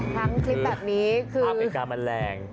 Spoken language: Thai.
ทั้งคลิปแบบนี้คืออเมริกามันแรง